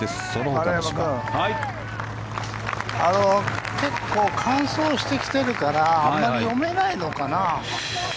丸山君結構、乾燥してきてるからあまり読めないのかな。